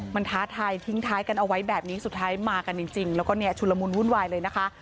มันท้าทายทิ้งท้ายกันเอาไว้แบบนี้สุดท้ายมากันจริงแล้วก็เนี่ยชุลมุนวุ่นวายเลยนะคะ